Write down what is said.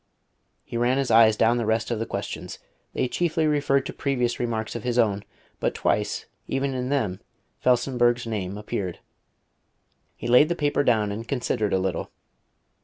He ran his eyes down the rest of the questions. They chiefly referred to previous remarks of his own, but twice, even in them, Felsenburgh's name appeared. He laid the paper down and considered a little.